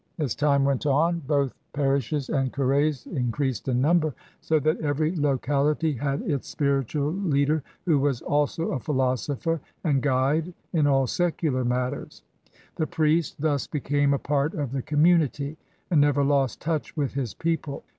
As time went on. THE CHURCH IN NEW FRANCE 129 both parishes and curis increased in number, so that every locality had its spiritual leader who was also a philosopher and guide in all secular matters. The priest thus became a part of the commu nity and never lost touch with his people.